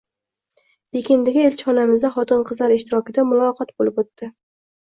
Pekindagi elchixonamizda xotin-qizlar ishtirokida muloqot bo‘lib o‘tdi